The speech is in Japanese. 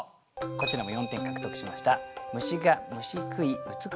こちらも４点獲得しました。